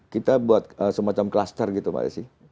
kita buat semacam cluster gitu pak resi